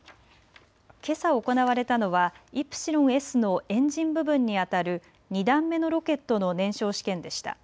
けさ行われたのはイプシロンＳのエンジン部分にあたる２段目のロケットの燃焼試験でした。